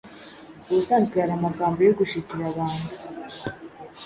Ubusanzwe hari amagambo yo gushitura abantu